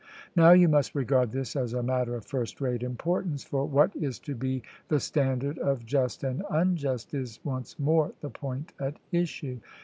Now you must regard this as a matter of first rate importance. For what is to be the standard of just and unjust, is once more the point at issue.